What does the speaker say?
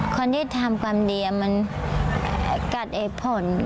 คนที่ทำความดีมีการเรียนผล